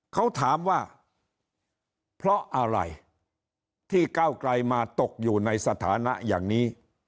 เขาถามว่าเพราะอะไรที่เก้าไกลมาตกอยู่ในสถานะอย่างนี้